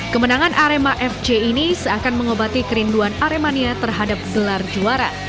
kemenangan arema fc ini seakan mengobati kerinduan aremania terhadap gelar juara